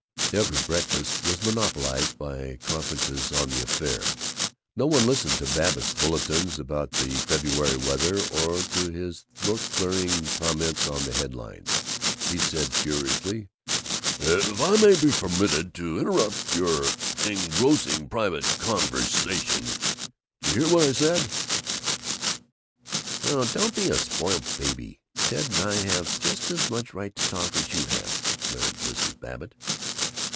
Every breakfast was monopolized by conferences on the affair. No one listened to Babbitt's bulletins about the February weather or to his throat clearing comments on the headlines. He said furiously, "If I may be permitted to interrupt your engrossing private conversation Juh hear what I said?" "Oh, don't be a spoiled baby! Ted and I have just as much right to talk as you have!" flared Mrs. Babbitt.